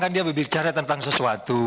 kan dia berbicara tentang sesuatu